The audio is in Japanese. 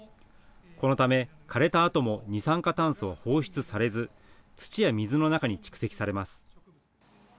このため、枯れたあとも二酸化炭素は放出されず土や水の中に蓄積されます。